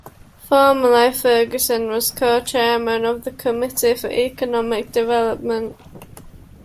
Formerly, Ferguson was Co-Chairman of the Committee for Economic Development.